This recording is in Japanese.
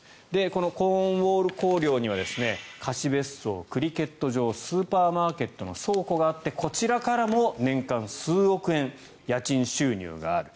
このコーンウォール公領には貸し別荘、クリケット場スーパーマーケットの倉庫があってこちらからも年間数億円家賃収入がある。